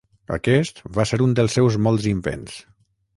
Aquest va ser un dels seus molts invents.